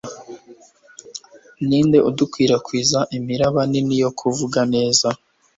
ninde udukwirakwiza imiraba nini yo kuvuga neza